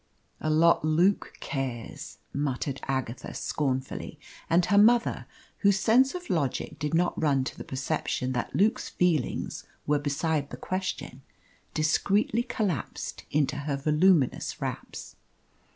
"A lot Luke cares!" muttered Agatha scornfully, and her mother, whose sense of logic did not run to the perception that Luke's feelings were beside the question, discreetly collapsed into her voluminous wraps.